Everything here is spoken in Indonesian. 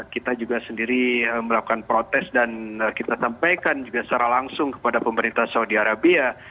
kita juga sendiri melakukan protes dan kita sampaikan juga secara langsung kepada pemerintah saudi arabia